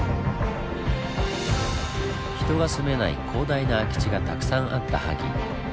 人が住めない広大な空き地がたくさんあった萩。